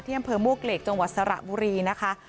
ที่ยังเผลอมวกเหลกจังหวัดสระบุรีนะคะ